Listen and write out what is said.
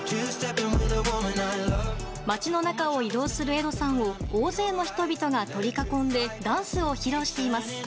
街の中を移動するエドさんを大勢の人々が取り囲んでダンスを披露しています。